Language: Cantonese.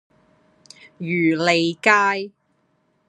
漁利街